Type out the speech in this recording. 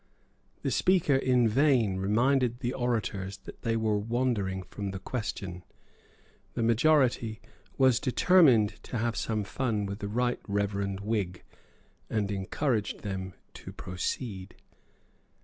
The Speaker in vain reminded the orators that they were wandering from the question. The majority was determined to have some fun with the Right Reverend Whig, and encouraged them to proceed.